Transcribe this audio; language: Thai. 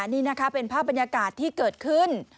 นี่นะคะเป็นภาพบรรยากาศที่เกิดขึ้น